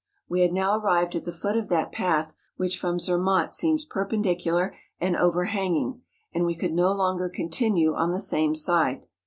We had now arrived at the foot of that path which from Zermatt seems perpendicular and overhanging, and we could no longer continue on the same side.